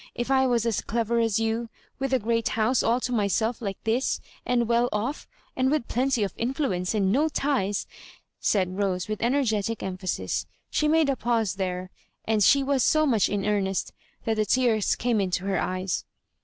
If I was as clever as you, with a great house all to myself like this, and well off, and with plenty of influence, and no ties—" said Rose, with energetic emphasia She made a pause there, and she was so much in earnest that the tears came into her eyes.